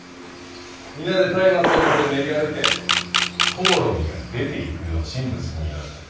皆で松明を持って練り歩いてコオロギが出ていくよう神仏に祈る。